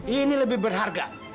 ini lebih berharga